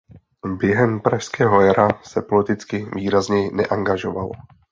Během pražského jara se politicky výrazněji neangažoval.